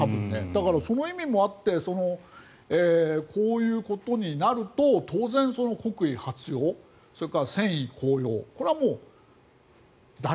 だから、その意味もあってこういうことになると当然、国威発揚それから戦意高揚。